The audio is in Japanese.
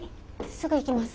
すぐ行きます。